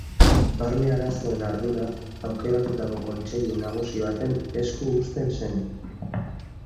Barne arazoen ardura aukeratutako kontseilu nagusi baten esku uzten zen.